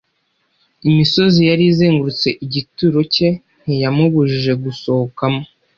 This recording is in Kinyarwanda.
Imisozi yari izengurutse igituro cye ntiyamubujije gusohokamo.